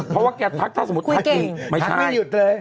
เพราะว่าแกทักถ้าสมมุติทักจริงไม่ใช่ไม่หยุดเลย